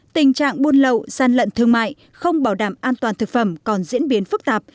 tình trạng buôn lậu gian lận thương mại không bảo đảm an toàn thực phẩm còn diễn biến phức tạp